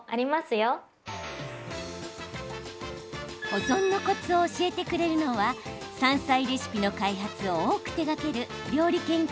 保存のコツを教えてくれるのは山菜レシピの開発を多く手がける料理研究家の伊賀るり子さん。